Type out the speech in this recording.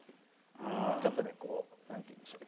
ちょっとね何て言うんでしょう？